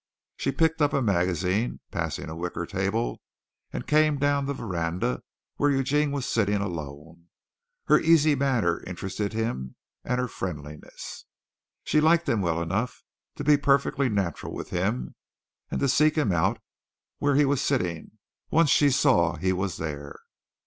She picked up a magazine, passing a wicker table, and came down the veranda where Eugene was sitting alone. Her easy manner interested him, and her friendliness. She liked him well enough to be perfectly natural with him and to seek him out where he was sitting once she saw he was there.